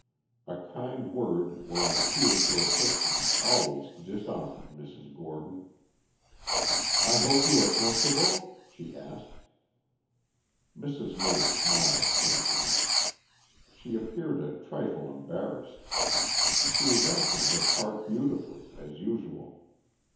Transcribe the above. A kind word or an appeal for assistance always disarmed Mrs. Gordon. "I hope you are comfortable?" she asked. Mrs. May smiled faintly. She appeared a trifle embarrassed. She was acting her part beautifully as usual.